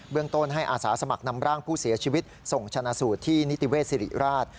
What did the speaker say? เรื่องต้นให้อาสาสมัครนำร่างผู้เสียชีวิตส่งชนะสูตรที่นิติเวศสิริราช